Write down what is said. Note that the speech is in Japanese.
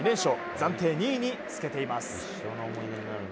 暫定２位につけています。